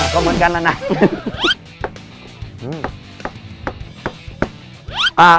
ก็เหมือนกันแล้วนะ